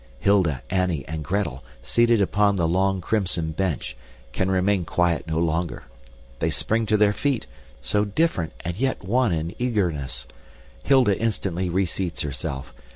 Hilda, Annie, and Gretel, seated upon the long crimson bench, can remain quiet no longer. They spring to their feet so different and yet one in eagerness. Hilda instantly reseats herself.